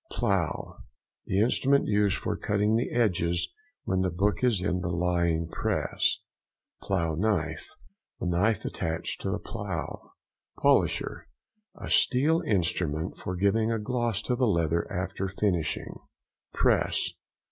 PLOUGH.—The instrument used for cutting the edges when the book is in the lying press. PLOUGH KNIFE.—The knife attached to the plough. |178| POLISHER.—A steel instrument for giving a gloss to the leather after finishing. PRESS.